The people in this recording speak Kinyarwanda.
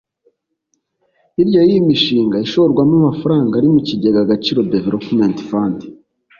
Hirya y’iyi mishinga ishorwamo amafaranga ari mu kigega Agaciro Development Fund